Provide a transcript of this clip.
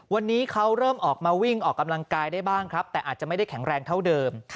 วันนี้เขาเริ่มออกมาวิ่งออกกำลังกายได้บ้างครับแต่อาจจะไม่ได้แข็งแรงเท่าเดิม